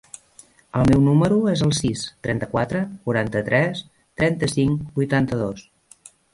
El meu número es el sis, trenta-quatre, quaranta-tres, trenta-cinc, vuitanta-dos.